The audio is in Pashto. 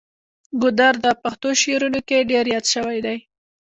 ګودر د پښتو شعرونو کې ډیر یاد شوی دی.